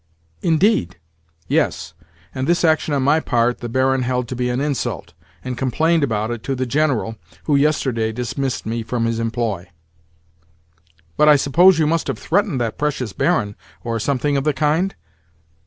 "Indeed?" "Yes: and this action on my part the Baron held to be an insult, and complained about it to the General, who yesterday dismissed me from his employ." "But I suppose you must have threatened that precious Baron, or something of the kind?